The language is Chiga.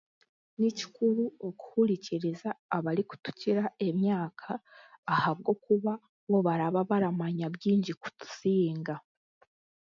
Ni kikuru okuhurikiriza abarikutukira emyaka ahabwokuba bo barababaramanya byaingi kutusinga